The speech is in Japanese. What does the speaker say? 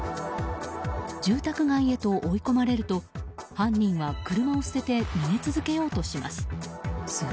住宅街へと追い込まれると犯人は車を捨てて逃げ続けようとします。